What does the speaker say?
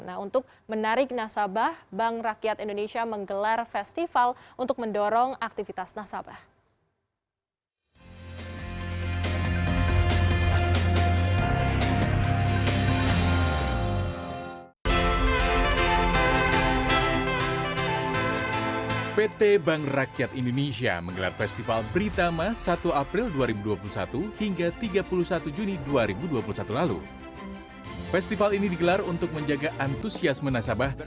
nah untuk menarik nasabah bank rakyat indonesia menggelar festival untuk mendorong aktivitas nasabah